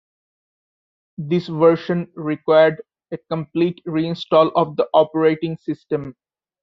This version required a complete reinstall of the operating system.